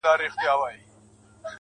ستا تر ځوانۍ بلا گردان سمه زه.